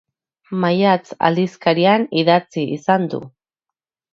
Maiatz aldizkarian idatzi izan du.